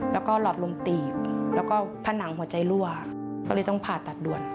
แล้วก็หลอดลมตีบแล้วก็ผนังหัวใจรั่วก็เลยต้องผ่าตัดด่วน